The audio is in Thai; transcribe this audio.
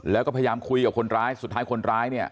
แล้วก็พยายามคุยกับคนร้ายสุดท้ายคนร้ายเนี่ย